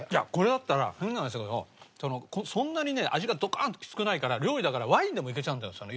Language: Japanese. これだったら変な話だけどそんなにね味がドカンときつくないから料理だからワインでもいけちゃうんだよ。